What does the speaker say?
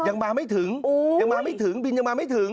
ยังมาไม่ถึงยังมาไม่ถึงบินยังมาไม่ถึง